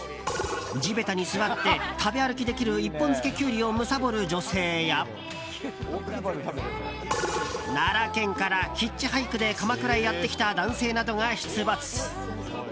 地べたに座って食べ歩きできる１本漬けキュウリをむさぼる女性や奈良県からヒッチハイクで鎌倉へやってきた男性などが出没。